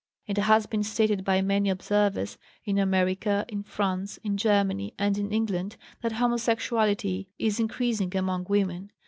It has been stated by many observers in America, in France, in Germany, and in England that homosexuality is increasing among women.